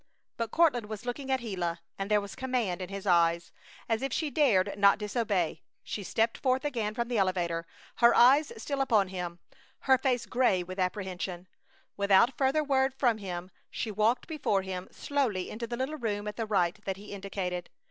But Courtland was looking at Gila, and there was command in his eyes. As if she dared not disobey she stepped forth again from the elevator, her eyes still upon him, her face gray with apprehension. Without further word from him she walked before him, slowly, into the little room at the right that he indicated.